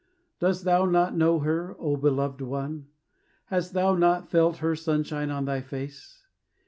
Dost thou not know her, O beloved one? Hast thou not felt her sunshine on thy face?